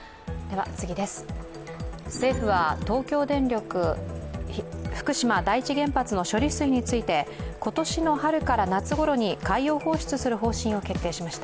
政府は東京電力・福島第一原発の処理水について今年の春から夏頃に海洋放出する方針を決定しました。